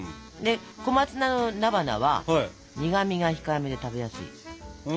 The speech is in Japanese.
小松菜の菜花は苦みが控えめで食べやすいっていうのがあるし。